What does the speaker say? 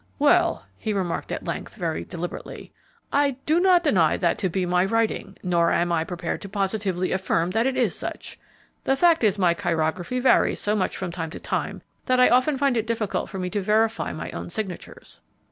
"Well," he remarked, at length, very deliberately, "I do not deny that to be my writing, nor am I prepared to positively affirm that it is such. The fact is, my chirography varies so much from time to time that I often find it difficult for me to verify my own signatures."